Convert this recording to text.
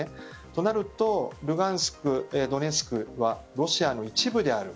となるとルガンスク、ドネツクはロシアの一部である。